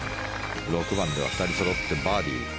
６番では２人そろってバーディー。